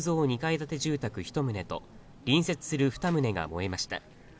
５６歳の木造２階建て住宅一棟と隣接する２棟が燃えました。